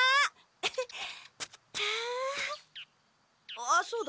あっそうだ！